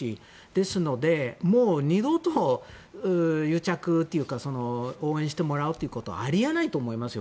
ですので、もう二度と応援してもらうということはあり得ないと思いますよ。